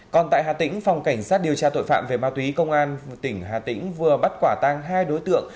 còn tại hà tĩnh phòng cảnh sát điều tra tội phạm về ma túy công an tỉnh hà tĩnh vừa bắt quả tang hai đối tượng